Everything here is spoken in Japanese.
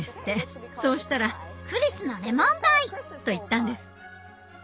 そうしたら「クリスのレモンパイ！」と言ったんです。